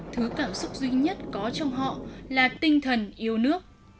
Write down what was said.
thứ cảm xúc duy nhất có trong họ là tinh thần yêu nước